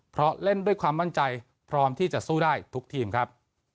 เพราะเล่นด้วยความมั่นใจพร้อมที่จะสู้ได้ทุกทีมครับ